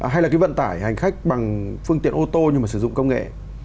hay là cái vận tải hành khách bằng phương tiện ô tô nhưng mà sử dụng công nghệ